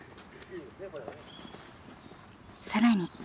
更に。